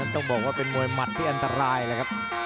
ต้องบอกว่าเป็นมวยหมัดที่อันตรายแล้วครับ